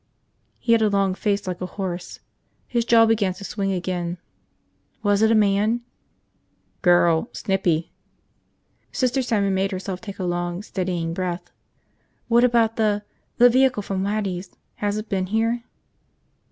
He had a long face like a horse. His jaw began to swing again. "Was it a man?" "Girl. Snippy." Sister Simon made herself take a long, steadying breath. "What about the – the vehicle from Waddy's? Has it been here?"